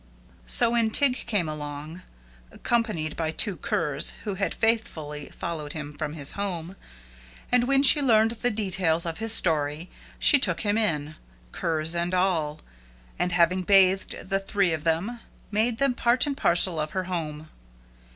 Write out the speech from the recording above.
So when Tig came along, accompanied by two curs, who had faithfully followed him from his home, and when she learned the details of his story, she took him in, curs and all, and, having bathed the three of them, made them part and parcel of her home.